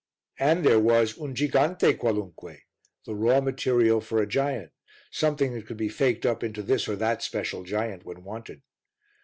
And there was "un gigante qualunque" the raw material for a giant, something that could be faked up into this or that special giant when wanted.